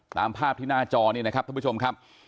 ตามภาพที่หน้าจอนี่นะครับท่านผู้ชมครับ